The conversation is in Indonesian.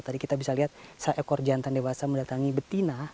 tadi kita bisa lihat seekor jantan dewasa mendatangi betina